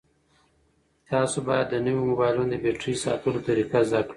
تاسو باید د نویو موبایلونو د بېټرۍ ساتلو طریقه زده کړئ.